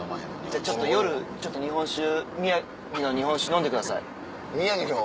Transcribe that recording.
じゃあちょっと夜ちょっと日本酒宮城の日本酒飲んでください。